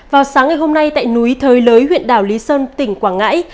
vào sáng ngày hôm nay tại núi thới lới huyện đảo lý sơn tỉnh quảng ngãi